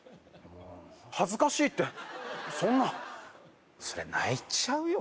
「恥ずかしい」ってそんなそりゃ泣いちゃうよ